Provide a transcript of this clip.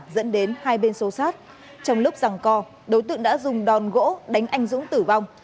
dẫn đến hai bên xô sát trong lúc rằng co đối tượng đã dùng đòn gỗ đánh anh dũng tử vong